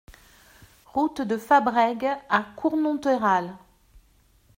Route de Fabrègues à Cournonterral